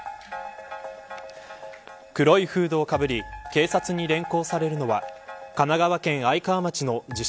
黒いフードをかぶり警察に連行されるのは神奈川県愛川町の自称